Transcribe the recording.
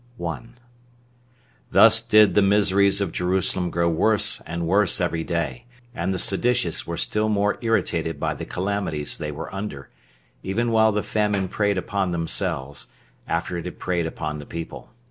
1. Thus did the miseries of Jerusalem grow worse and worse every day, and the seditious were still more irritated by the calamities they were under, even while the famine preyed upon themselves, after it had preyed upon the people.